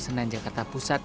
senan jakarta pusat